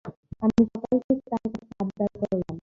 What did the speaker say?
আমি সকাল থেকে তার কাছে আবদার করলাম।